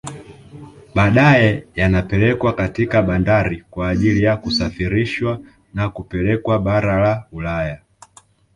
Badae yanapelekwa katika bandari kwa ajili ya kusafirishwa na kupelekwa bara la Ulaya